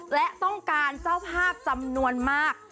และต้องการเจ้าภาพจำนวนมาก